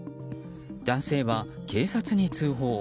男性は警察に通報。